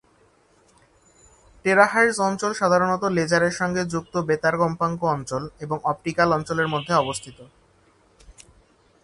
Terahertz অঞ্চল সাধারণত লেজারের সঙ্গে যুক্ত বেতার কম্পাঙ্ক অঞ্চল এবং অপটিক্যাল অঞ্চলের মধ্যে অবস্থিত।